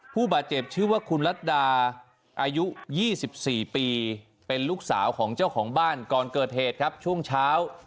ผู้บาดเจ็บชื่อว่าคุณรัฐดาอายุ๒๔ปีเป็นลูกสาวของเจ้าของบ้านก่อนเกิดเหตุครับช่วงเช้า